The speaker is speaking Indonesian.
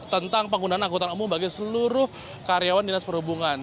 tentang penggunaan angkutan umum bagi seluruh karyawan dinas perhubungan